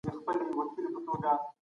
یو بل په غیږ کې ونیسئ.